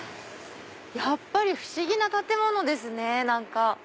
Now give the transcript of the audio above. やっぱり不思議な建物ですね何か。